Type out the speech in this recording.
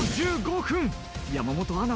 山本アナ。